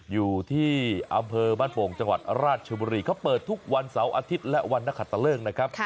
อยู่ที่อำเภอบ้านโป่งจังหวัดราชบุรีเขาเปิดทุกวันเสาร์อาทิตย์และวันนขัตตะเลิกนะครับ